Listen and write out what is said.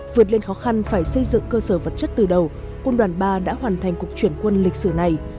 vượt lên khó khăn phải xây dựng cơ sở vật chất từ đầu quân đoàn ba đã hoàn thành cuộc chuyển quân lịch sử này